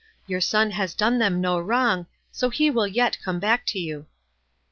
Your son has done them no wrong, so he will yet come back to you."